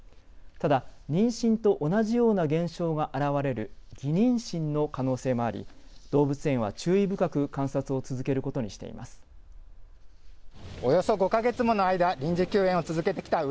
ただ、妊娠と同じような現象が現れる偽妊娠の可能性もあり動物園は注意深く観察を続けることにしています。